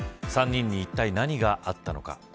３人に、いったい何があったのか。